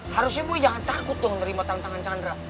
harusnya boy jangan takut tuh nerima tantangan chandra